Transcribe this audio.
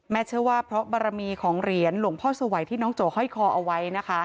เชื่อว่าเพราะบารมีของเหรียญหลวงพ่อสวัยที่น้องโจห้อยคอเอาไว้นะคะ